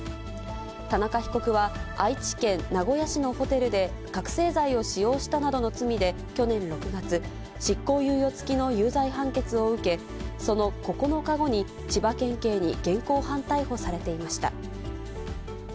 田中被告は、愛知県名古屋市のホテルで覚醒剤を使用したなどの罪で、去年６月、執行猶予付きの有罪判決を受け、その９日後に、千葉県警に現行犯逮捕されていました。